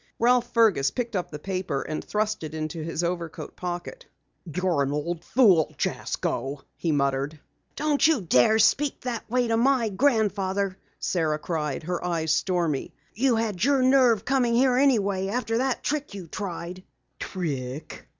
Ralph Fergus picked up the paper and thrust it into his overcoat pocket. "You're an old fool, Jasko!" he muttered. "Don't you dare speak that way to my grandfather!" Sara cried, her eyes stormy. "You had your nerve coming here anyway, after that trick you tried!" "Trick?"